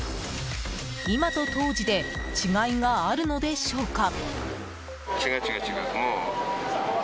今と当時で違いがあるのでしょうか？